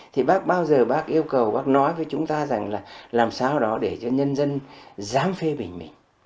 thì bác bao giờ bác yêu cầu bác nói với chúng ta rằng là làm sao đó để cho nhân dân dám phê bình mình